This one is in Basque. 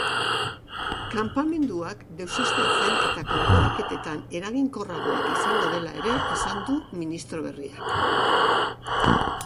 Kanpamenduak deuseztatzen eta kanporaketetan eraginkorragoak izango dela ere esan du ministro berriak.